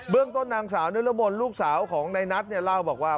เบื้องต้นนางสาวในระบวนลูกสาวของนัยนัทเนี่ยเล่าบอกว่า